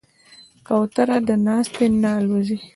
کوتره له ناستې نه الوزي.